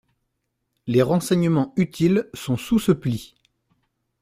Les renseignements utiles sont sous ce pli.